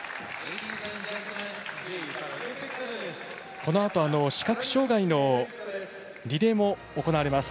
このあと視覚障がいのリレーも行われます。